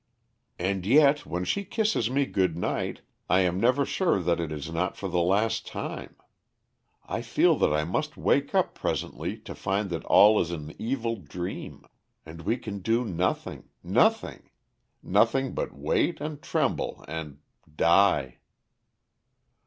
"And yet when she kisses me good night I am never sure that it is not for the last time. I feel that I must wake up presently to find that all is an evil dream. And we can do nothing, nothing, nothing but wait and tremble and die."